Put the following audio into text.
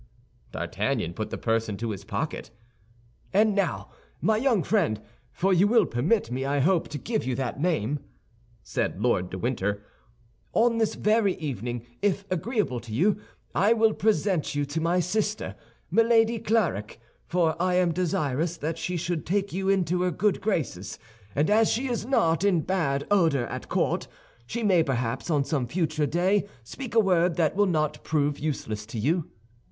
D'Artagnan put the purse into his pocket. "And now, my young friend, for you will permit me, I hope, to give you that name," said Lord de Winter, "on this very evening, if agreeable to you, I will present you to my sister, Milady Clarik, for I am desirous that she should take you into her good graces; and as she is not in bad odor at court, she may perhaps on some future day speak a word that will not prove useless to you."